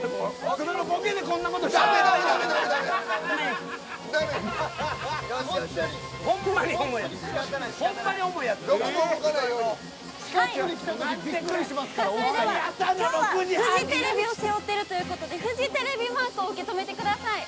それでは今日はフジテレビを背負ってるということでフジテレビマークを受け止めてください。